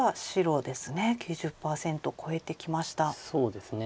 そうですね。